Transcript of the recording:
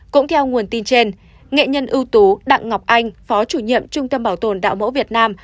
cũng theo nguồn tin trên nghệ nhân ưu tú đặng ngọc anh phó chủ nhiệm trung tâm bảo tồn đạo mẫu việt nam